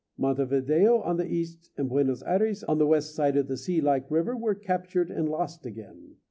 Montevideo on the east and Buenos Ayres on the west side of the sea like river were captured and lost again.